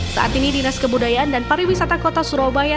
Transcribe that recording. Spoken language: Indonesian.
saat ini dinas kebudayaan dan pariwisata kota surabaya